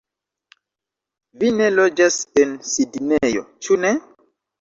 Vi ne loĝas en Sidnejo, ĉu ne?